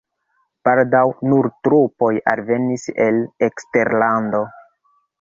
Baldaŭ nur trupoj alvenis el eksterlando.